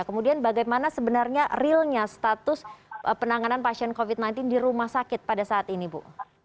kemudian bagaimana sebenarnya realnya status penanganan pasien covid sembilan belas di rumah sakit pada saat ini bu